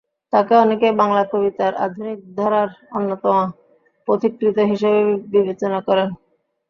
তাঁকে অনেকেই বাংলা কবিতার আধুনিক ধারার অন্যতম পথিকৃৎ হিসেবে বিবেচনা করেন।